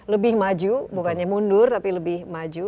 lebih maju bukannya mundur tapi lebih maju